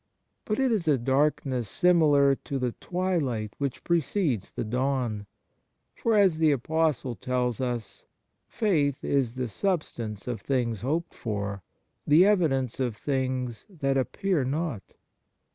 But it is a darkness similar to the twilight which precedes the dawn. For, as the Apostle tells us, " Faith is the 95 THE MARVELS OF DIVINE GRACE substance of things hoped for, the evi dence of things that appear not."